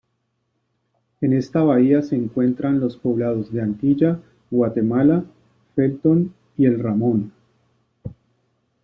En esta bahía se encuentran los poblados de Antilla, Guatemala, Felton y El Ramón.